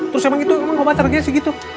terus emang itu emang obat energi aja sih gitu